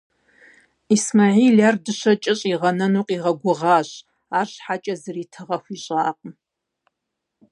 Исмэхьил ар дыщэкӀэ щӀигъэнэну къигъэгугъащ, арщхьэкӀэ зыри тыгъэ хуищӀакъым.